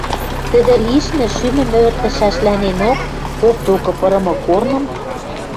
тӹдӹ лишнӹ шӱмӹм ӹвӹртӹшӓшлӓненок, поп докы пырымы корным